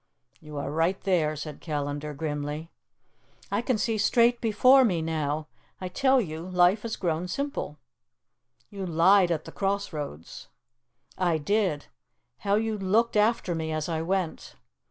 "You are right there," said Callandar grimly. "I can see straight before me now. I tell you life has grown simple." "You lied at the cross roads." "I did. How you looked after me as I went!